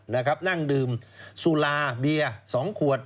นั่งดื่มสุราเบียร์๒ขวด